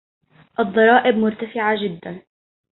الضرائب مرتفعة جدا.